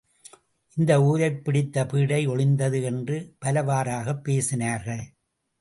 இந்த ஊரைப் பிடித்த பீடை ஒழிந்தது என்று பலவாறாகப் பேசினார்கள்.